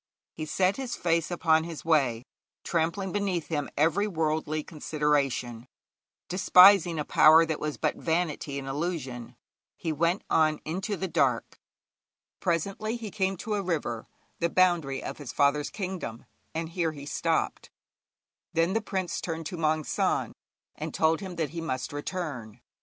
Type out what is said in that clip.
He set his face upon his way, trampling beneath him every worldly consideration, despising a power that was but vanity and illusion; he went on into the dark. Presently he came to a river, the boundary of his father's kingdom, and here he stopped. Then the prince turned to Maung San, and told him that he must return.